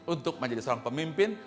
untuk menjadi seorang pemimpin